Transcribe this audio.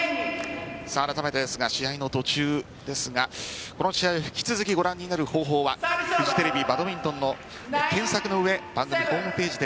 あらためてですが試合の途中ですがこの試合を引き続きご覧になる方法はフジテレビ、バドミントンで検索の上番組ホームページで